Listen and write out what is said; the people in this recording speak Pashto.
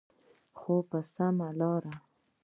خو په سمه لاره.